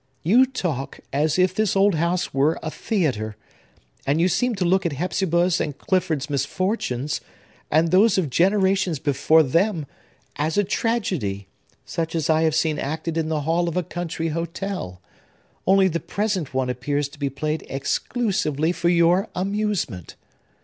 You talk as if this old house were a theatre; and you seem to look at Hepzibah's and Clifford's misfortunes, and those of generations before them, as a tragedy, such as I have seen acted in the hall of a country hotel, only the present one appears to be played exclusively for your amusement.